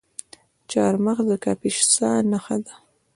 چهارمغز د کاپیسا نښه ده.